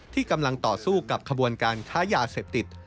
ที่กำลังต่อสู้กับขบวนการค้ายาเสพติด